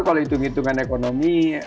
kalau hitung hitungan ekonomi